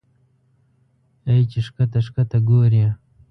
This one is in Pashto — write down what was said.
اې چې ښکته ښکته ګورې